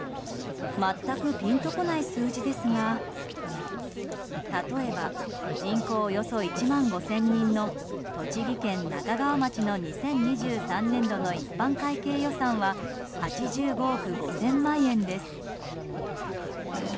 全くピンとこない数字ですが例えば人口およそ１万５０００人の栃木県那珂川町の２０２３年度の一般会計予算は８５億５０００万円です。